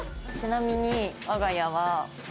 ちなみに我が家は。